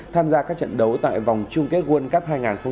tham gia các trận đấu tại vòng chung kết world cup hai nghìn hai mươi